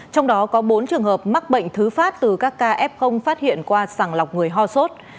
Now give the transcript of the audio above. trong đó có bốn trường hợp mắc bệnh thứ phát từ các ca f phát hiện qua sàng lọc người ho sốt